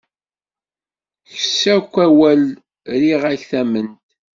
Kkes-ak awal, rriɣ-ak tamment!